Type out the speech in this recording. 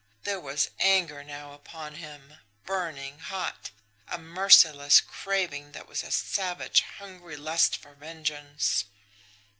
There was anger now upon him, burning, hot a merciless craving that was a savage, hungry lust for vengeance.